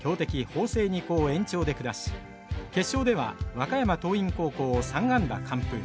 法政二高を延長で下し決勝では和歌山桐蔭高校を３安打完封。